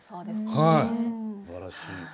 はいすばらしい。